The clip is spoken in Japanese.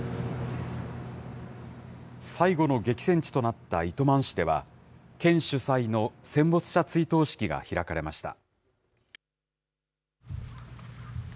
最後の激戦地となった糸満市では、県主催の戦没者追悼式が開かれました。